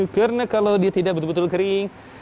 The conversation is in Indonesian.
karena kalau dia tidak betul betul kering